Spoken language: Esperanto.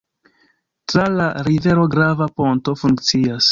Tra la rivero grava ponto funkcias.